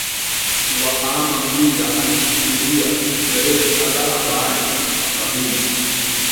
Waama mjinga akisuluhia mwerevu ataabani tabuni